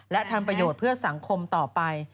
และทำประโยชน์เพื่อสังคมต่อไป